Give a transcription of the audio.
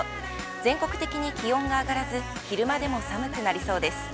全国的に気温が上がらず昼間でも寒くなりそうです。